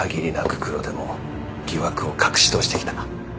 黒でも疑惑を隠し通してきた。